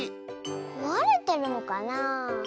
こわれてるのかな？